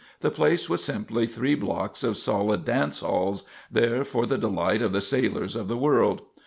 The place was simply three blocks of solid dance halls, there for the delight of the sailors of the world.